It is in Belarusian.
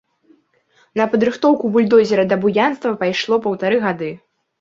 На падрыхтоўку бульдозера да буянства пайшло паўтара гады.